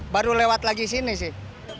baru lewat lagi sini sih